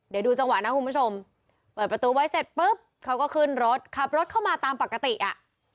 เดี๋ยวดูจังหวะนะคุณผู้ชมเปิดประตูไว้เสร็จปุ๊บเขาก็ขึ้นรถขับรถเข้ามาตามปกติอ่ะ